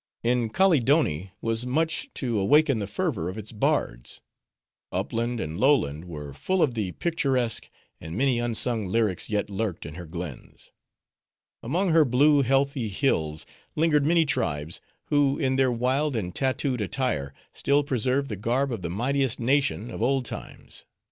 In Kaleedoni was much to awaken the fervor of its bards. Upland and lowland were full of the picturesque; and many unsung lyrics yet lurked in her glens. Among her blue, heathy hills, lingered many tribes, who in their wild and tattooed attire, still preserved the garb of the mightiest nation of old times.